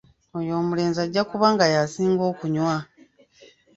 Oyo omulenzi ajja kuba nga yasinga okunywa.